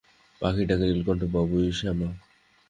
পাখি ডাকে-নীলকণ্ঠ, বাবুই, শ্যামা।